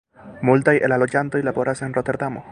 Multaj el la loĝantoj laboras en Roterdamo.